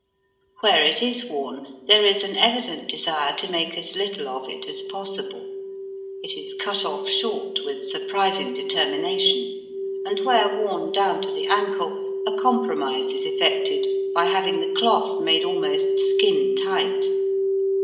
Where it is worn there is an evident desire to make as little of it as possible. It is cut off short with sur prising determination, and where worn down to the ankle a compromise is effected by having the cloth made almost skin tight.